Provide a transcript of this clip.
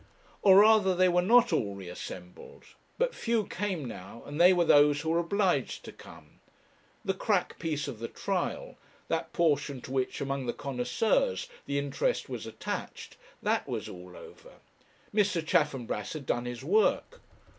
Or rather they were not all re assembled. But few came now, and they were those who were obliged to come. The crack piece of the trial, that portion to which, among the connoisseurs, the interest was attached, that was all over. Mr. Chaffanbrass had done his work.